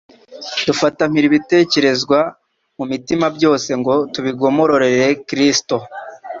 dufata mpiri ibitekerezwa mu mitima byose ngo tubigomororere Kristo.»